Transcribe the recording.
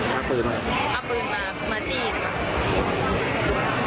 เอาปืนมาจีน